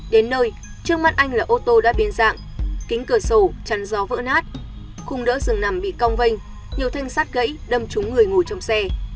đến nơi trước mắt anh là ô tô đã biến dạng kính cửa sổ chắn gió vỡ nát khung đỡ rừng nằm bị cong vênh nhiều thanh sát gãy đâm trúng người ngồi trong xe